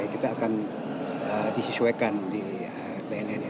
kita akan disesuaikan di bnn ini